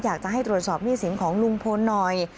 อยากจะให้ตรวจสอบหนี้สินของลุงพลหน่อย